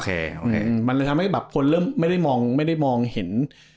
โอเคอืมมันเลยค่ะไม่ได้แบบคนเริ่มไม่ได้มองไม่ได้มองเห็น